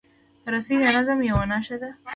رسۍ د نظم یوه نښه ده.